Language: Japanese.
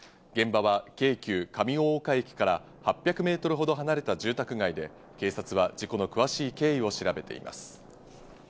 現場は京急上大岡駅から８００メートルほど離れた住宅街で警察は事故の詳しい経緯を調べています。